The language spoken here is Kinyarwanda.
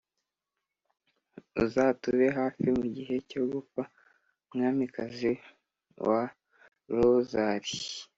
uzatube hafi mu gihe cyo gupfa…mwamikazi wa rozali